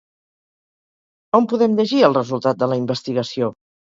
On podem llegir el resultat de la investigació?